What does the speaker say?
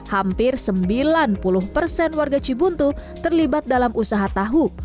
hampir sembilan puluh persen warga cibuntu terlibat dalam usaha tahu